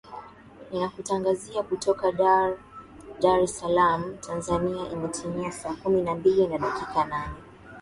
inakutangazia kutoka dar es salam tanzania imetimia saa kumi na mbili na dakika nane